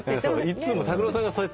いつも拓郎さんが。